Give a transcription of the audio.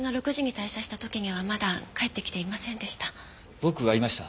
僕会いました。